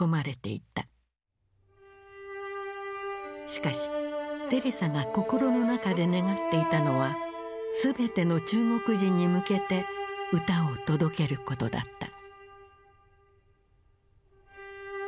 しかしテレサが心の中で願っていたのは全ての中国人に向けて歌を届けることだった。